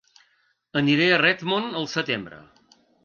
Aniré a Redmond al setembre.